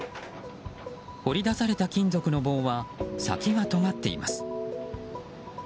掘り出された金属の棒は先がとがっています。